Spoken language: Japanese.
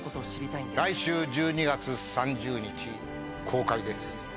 来週１２月３０日公開です